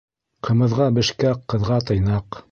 Ҡымыҙға бешкәк, ҡыҙға тыйнаҡ.